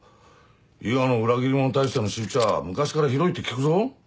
伊賀の裏切り者に対しての仕打ちは昔からひどいって聞くぞ。